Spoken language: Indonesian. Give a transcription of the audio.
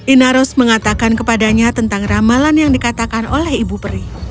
inaros mengatakan kepadanya tentang ramalan yang dikatakan oleh ibu peri